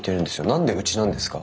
何でうちなんですか？